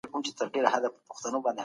لیکل تر اورېدلو د ډېر دقت غوښتنه کوي.